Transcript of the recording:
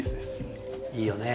いいよね。